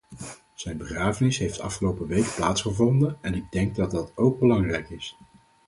Zijn begrafenis heeft afgelopen week plaatsgevonden en ik denk dat dat ook belangrijk is.